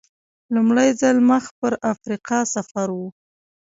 لومړی ځل مخ پر افریقا سفر و.